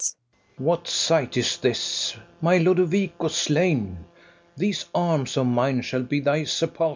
What sight is this! my Lodovico slain! These arms of mine shall be thy sepulchre.